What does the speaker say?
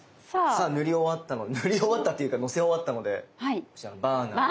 さあ塗り終わったので塗り終わったというかのせ終わったのでこちらのバーナーで。